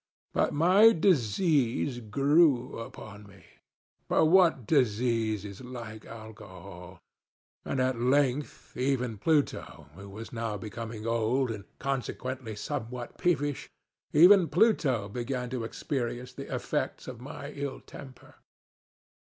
But my disease grew upon meŌĆöfor what disease is like Alcohol! ŌĆöand at length even Pluto, who was now becoming old, and consequently somewhat peevishŌĆöeven Pluto began to experience the effects of my ill temper.